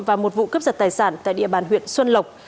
và một vụ cướp giật tài sản tại địa bàn huyện xuân lộc